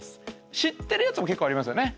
知ってるやつも結構ありますよね。